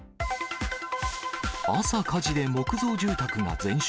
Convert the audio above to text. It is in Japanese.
朝火事で木造住宅が全焼。